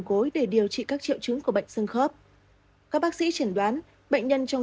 gối để điều trị các triệu chứng của bệnh sưng khớp các bác sĩ triển đoán bệnh nhân trong